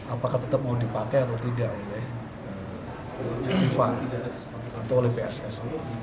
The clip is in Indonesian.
apakah tetap mau dipakai atau tidak oleh fifa atau oleh pssi